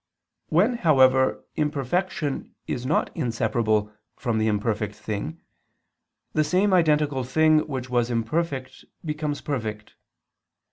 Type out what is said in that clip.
When, however, imperfection is not inseparable from the imperfect thing, the same identical thing which was imperfect becomes perfect.